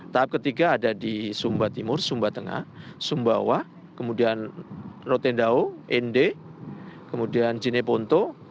tahap ketiga ada di sumba timur sumba tengah sumba wah kemudian rotendau ende kemudian cineponto